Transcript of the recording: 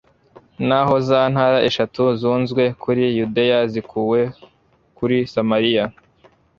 naho za ntara eshatu zunzwe kuri yudeya zikuwe kuri samariya